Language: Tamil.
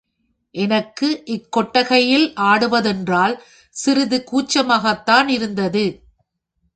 எனக்கு இக்கொட்டகையில் ஆடுவதென்றால், சிறிது கூச்சமாகத்தானிருந்தது.